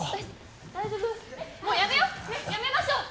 もうやめよう。